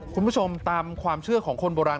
คุณผู้ชมตามความเชื่อของคนโบราณ